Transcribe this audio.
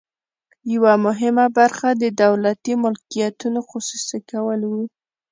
یوه مهمه برخه د دولتي ملکیتونو خصوصي کول وو.